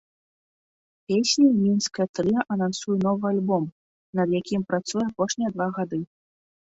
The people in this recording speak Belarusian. Песняй мінскае трыа анансуе новы альбом, над якім працуе апошнія два гады.